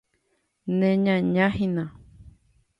Neñañahína.